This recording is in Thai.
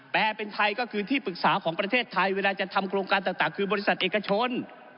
เป็นไทยก็คือที่ปรึกษาของประเทศไทยเวลาจะทำโครงการต่างคือบริษัทเอกชน